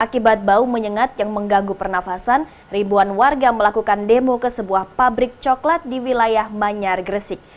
akibat bau menyengat yang mengganggu pernafasan ribuan warga melakukan demo ke sebuah pabrik coklat di wilayah manyar gresik